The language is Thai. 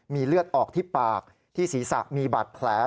มีเลือดออกที่ปากที่ศีรษะมีบาดแผล